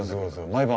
毎晩？